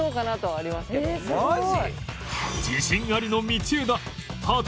「マジ？」